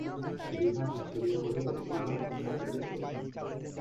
বিভার হাত ধরিয়া কহিলেন, বিভা, কাঁদিতেছ?